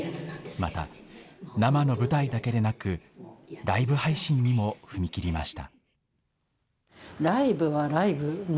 また、生の舞台だけでなく、ライブ配信にも踏み切りました。